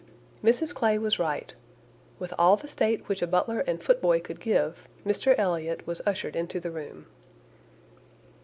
Mrs Clay was right. With all the state which a butler and foot boy could give, Mr Elliot was ushered into the room.